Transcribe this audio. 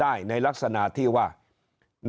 ตัวเลขการแพร่กระจายในต่างจังหวัดมีอัตราที่สูงขึ้น